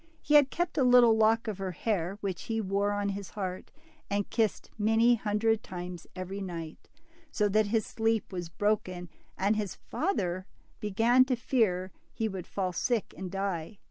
He had kept a little lock of her hair, which he wore on his heart, and kissed many hundred times every night, so that his sleep was broken, and his father began to fear he would fall sick and die.